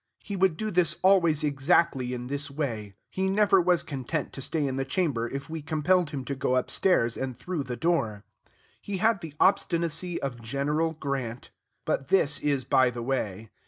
He would do this always exactly in this way; he never was content to stay in the chamber if we compelled him to go upstairs and through the door. He had the obstinacy of General Grant. But this is by the way.